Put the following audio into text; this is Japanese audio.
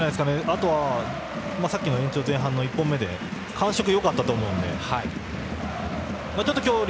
あとはさっきの延長前半の１本目感触がよかったと思うので。